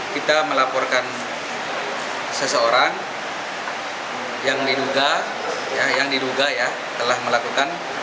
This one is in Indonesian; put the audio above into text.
kita melaporkan seseorang yang diduga telah melakukan